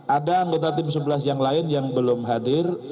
ada anggota tim sebelas yang lain yang belum hadir